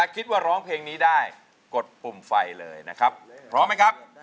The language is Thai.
เกิดเปิดเพลงมานะเปลี่ยนเพลงได้